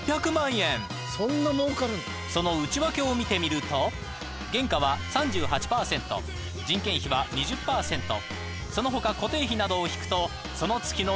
［その内訳を見てみると原価は３８％人件費は２０％その他固定費などを引くとその月の］